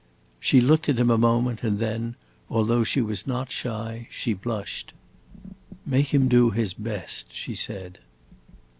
She looked at him a moment and then, although she was not shy, she blushed. "Make him do his best," she said.